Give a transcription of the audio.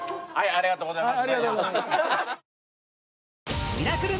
ありがとうございます。